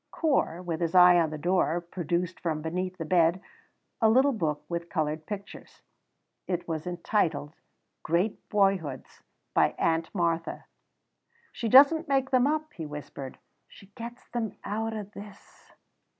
Corp, with his eye on the door, produced from beneath the bed a little book with coloured pictures. It was entitled "Great Boyhoods," by "Aunt Martha." "She doesna make them up," he whispered; "she gets them out o' this."